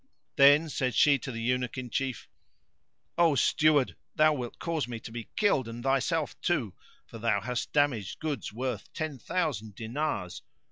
Then said she to the Eunuch in Chief, "O steward! thou wilt cause me to be killed and thyself too, for thou hast damaged goods worth ten thousand dinars.